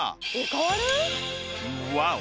ワオ！